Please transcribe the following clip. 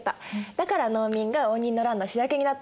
だから農民が応仁の乱の主役になったんだよ。